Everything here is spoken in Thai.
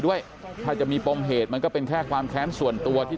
ด้วยถ้าจะมีปมเหตุมันก็เป็นแค่ความแค้นส่วนตัวที่